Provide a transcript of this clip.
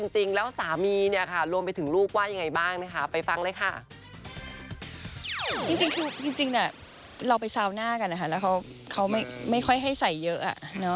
จริงนะเรายังไปซาวน่ากันแต่เราไม่ให้ใส่เยอะ